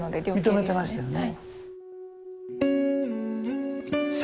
認めてましたよね。